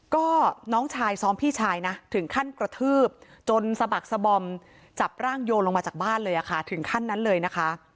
ก็น้องชายซ้อมพี่ชายนะถึงขั้นกระทืบจนสะบักสบอมจับร่างโยนลงมาจากบ้านเลยค่ะถึงขั้นนั้นเลยนะคะ